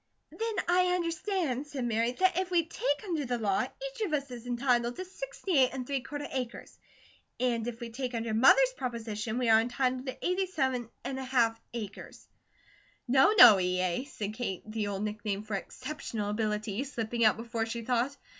"Then I understand," said Mary, "that if we take under the law, each of us is entitled to sixty eight and three quarter acres; and if we take under Mother's proposition we are entitled to eighty seven and a half acres." "No, no, E. A.," said Kate, the old nickname for "Exceptional Ability" slipping out before she thought.